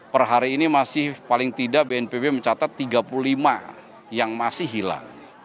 per hari ini masih paling tidak bnpb mencatat tiga puluh lima yang masih hilang